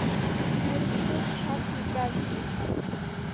Уи рхы шақәырҵазгьы.